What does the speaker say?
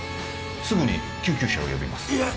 すぐに救急車を呼びますいえ